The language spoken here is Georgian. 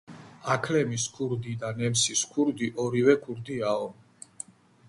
აქლემის ქურდი და ნემსის ქურდი ორივე ქურდიაოო